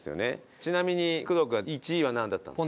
ちなみに工藤君は１位はなんだったんですか？